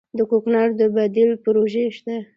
د کوکنارو د بدیل پروژې شته؟